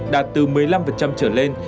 đạt từ một mươi năm trở lên